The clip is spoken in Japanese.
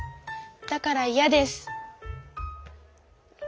だからイヤです。